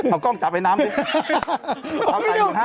เอากล้องจับไอ้น้ำนิดนึง